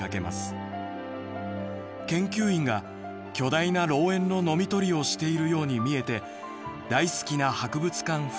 研究員が巨大な老猿のノミ取りをしているように見えて大好きな博物館風景です」。